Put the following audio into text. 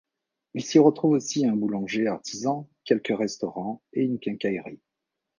Il s'y retrouve aussi un boulanger artisan, quelques restaurants et une quincaillerie.